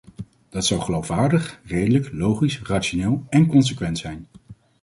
Dat zou geloofwaardig, redelijk, logisch, rationeel en consequent zijn.